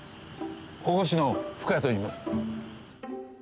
保護司の深谷と言います。